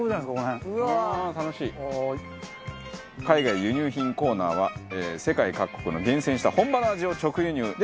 海外輸入品コーナーは世界各国の厳選した本場の味を直輸入。